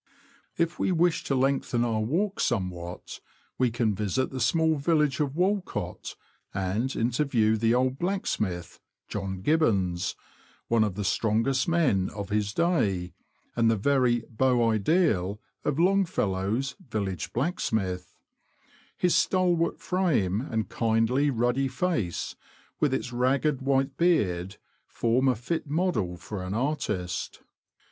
If we wish to lengthen our walk somewhat, we can visit the small village of Walcott, and interview the old blacksmith; John Gibbons, one of the strongest men of his day, and the very beau ideal of Long fellow's Village Blacksmith ; his stalwart frame and kindly, ruddy face, with its ragged white beard, form a fit model for an artist.